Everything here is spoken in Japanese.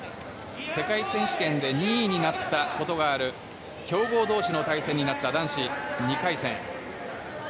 世界選手権で２位になったことがある強豪同士の対決になった男子２回戦。